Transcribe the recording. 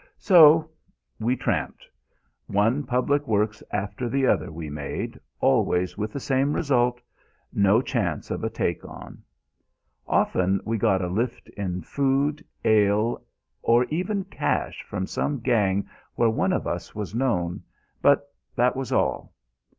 So we tramped. One public works after the other we made, always with the same result no chance of a take on. Often we got a lift in food, ale, or even cash from some gang where one of us was known, but that was all.